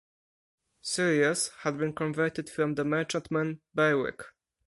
"Sirius" had been converted from the merchantman "Berwick".